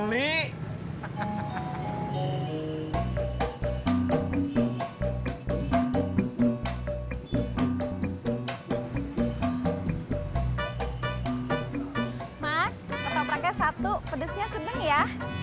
mas kacang kacangnya satu pedesnya sedeng ya